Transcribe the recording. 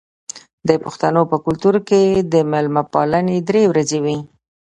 د پښتنو په کلتور کې د میلمه پالنه درې ورځې وي.